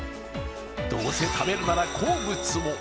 どうせ食べるなら好物を！